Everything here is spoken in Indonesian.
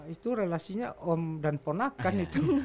itu relasinya om dan ponakan itu